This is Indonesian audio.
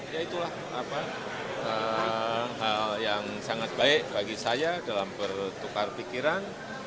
ya itulah hal yang sangat baik bagi saya dalam bertukar pikiran